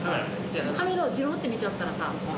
カメラをじろって見ちゃったらさ。